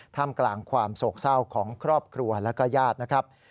ท่ามกลางความโศกเศร้าของครอบครัวและก็ญาตินะครับ